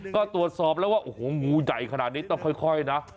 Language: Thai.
ก็ตรวจสอบแล้วว่าโอ้โหงูใหญ่ขนาดนี้ต้องค่อยนะ